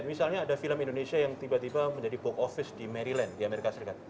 misalnya ada film indonesia yang tiba tiba menjadi box office di maryland di amerika serikat